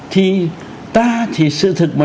thì ta thì sự thực mạng